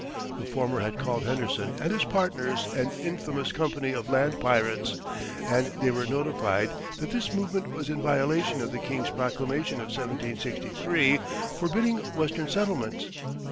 The former had called Henderson and his partners an "infamous Company of Land Pyrates"; and they were notified that this movement was in violation of the king's proclamation of 1763, forbidding Western settlements.